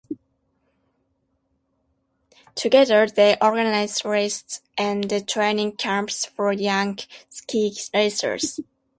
Together they organized races and training camps for young ski racers.